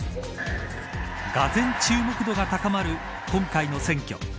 がぜん注目度が高まる今回の選挙。